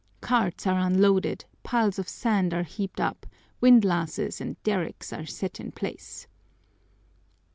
Carts are unloaded, piles of sand are heaped up, windlasses and derricks are set in place.